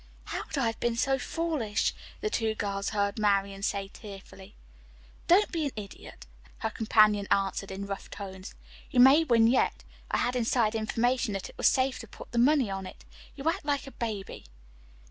"How could I have been so foolish!" the two girls heard Marian say tearfully. "Don't be an idiot," her companion answered in rough tones. "You may win yet. I had inside information that it was safe to put the money on it. You act like a baby."